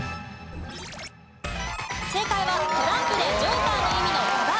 正解はトランプでジョーカーの意味のババ。